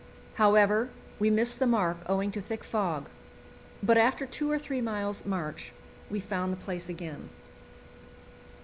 However, we missed the mark owing to thick fog, but after two or three miles' march we found the place again.